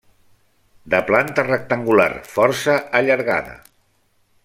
De planta rectangular, força allargada.